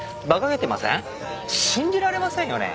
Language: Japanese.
信じられませんよね。